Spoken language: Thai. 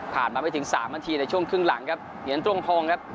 มาไม่ถึงสามนาทีในช่วงครึ่งหลังครับเหรียญตรงทองครับ